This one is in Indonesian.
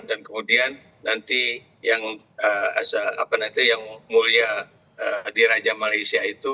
dan kemudian nanti yang mulia di raja malaysia itu